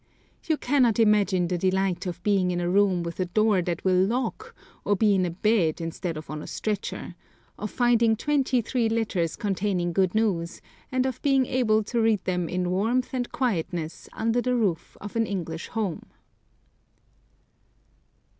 You cannot imagine the delight of being in a room with a door that will lock, to be in a bed instead of on a stretcher, of finding twenty three letters containing good news, and of being able to read them in warmth and quietness under the roof of an English home!